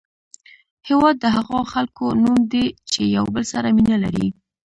هېواد د هغو خلکو نوم دی چې یو بل سره مینه لري.